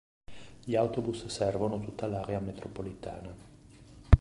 Gli autobus servono tutta l'area metropolitana.